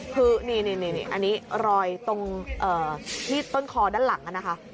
คือนี่อันนี้รอยตรงมีดต้นคอด้านหลังนะคะ